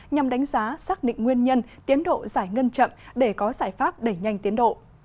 nhằm đánh giá xác định nguyên nhân tiến độ giải ngân chậm để có giải pháp đẩy nhanh tiến độ